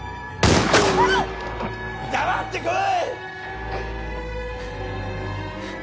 黙って来い！